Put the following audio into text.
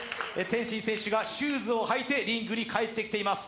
天心選手がシューズを履いてリングに帰ってきています。